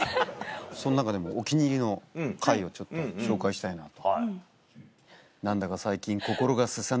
その中でもお気に入りの回をちょっと紹介したいなと。